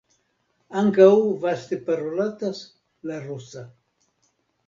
Ankaŭ vaste parolatas la rusa.